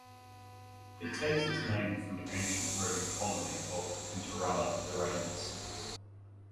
It takes its name from the ancient Roman colony of Interamna Lirenas.